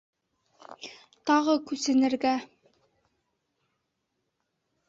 Тағы күсенергә!